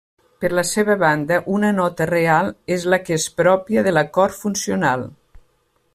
Per la seva banda, una nota real és la que és pròpia de l'acord funcional.